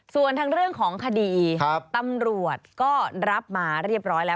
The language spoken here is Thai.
ส่วนทางเรื่องของคดีตำรวจก็รับมาเรียบร้อยแล้ว